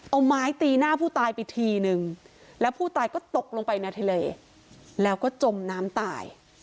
เอาไม้ตีหน้าผู้ตายไปทีนึงแล้วผู้ตายก็ตกลงไปในทะเลแล้วก็จมน้ำตาย